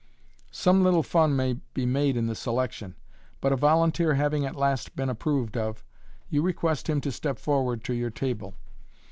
Some little fun may be made in the selection, but a volunteer having at last been approved of, you request him to step forward to your table.